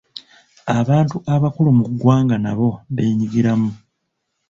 Abantu abakulu mu ggwanga nabo beenyigiramu.